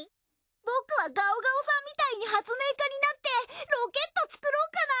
僕はガオガオさんみたいに発明家になってロケット作ろうかな。